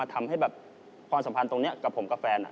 ทำให้แบบความสัมพันธ์ตรงนี้กับผมกับแฟน